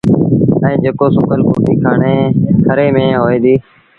ائيٚݩ جيڪو سُڪل ڪُٽيٚ کري ميݩ هوئي ديٚ۔